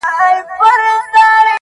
وزیر وویل زما سر ته دي امان وي-